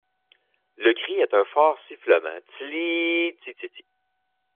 Le cri est un fort sifflement Tliiii-ti-ti-ti.